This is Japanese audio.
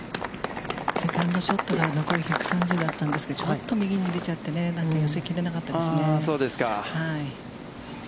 セカンドショットが残り１３０だったんですけれども、ちょっと右に出ちゃって、寄せ切れなかったですね。